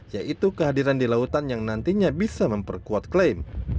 yaitu kehadiran di lautan yang nantinya bisa memperkuat klaim